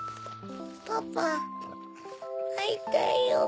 パパあいたいよ。